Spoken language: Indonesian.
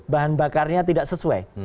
bahan bakarnya tidak sesuai